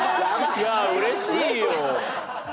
いやあうれしいよ。